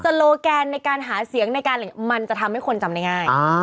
โลแกนในการหาเสียงในการมันจะทำให้คนจำได้ง่าย